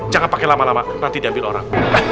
jangan pakai lama lama nanti dia ambil orang